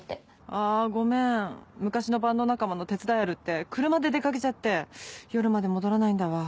あぁごめん昔のバンド仲間の手伝いあるって車で出かけちゃって夜まで戻らないんだわ。